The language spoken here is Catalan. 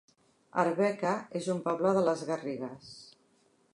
Arbeca es un poble de les Garrigues